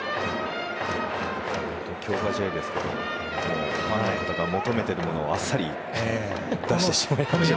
強化試合ですけどファンの方が求めているものをあっさり出してしまいましたね。